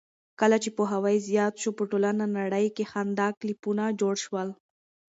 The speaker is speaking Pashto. کله چې پوهاوی زیات شو، په ټوله نړۍ کې خندا کلبونه جوړ شول.